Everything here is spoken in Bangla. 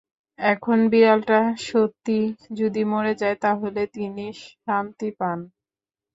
এখন বিড়ালটা সত্যিই যদি মরে যায়, তাহলে তিনি শান্তি পান।